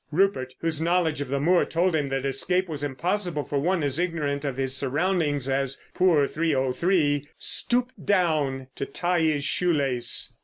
Rupert, whose knowledge of the moor told him that escape was impossible for one as ignorant of his surroundings as poor 303, stooped down to tie his shoelace.